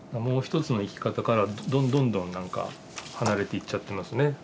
もう一つの生き方からどんどんなんか離れていっちゃってますね。